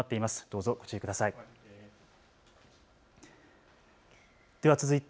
どうぞ、ご注意ください。